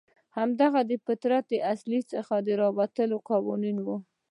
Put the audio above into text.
همدغه د فطرت له اصل څخه راوتلي قوانین وو.